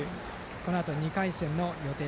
このあと、２回戦の予定。